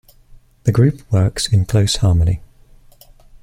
The group works in close harmony.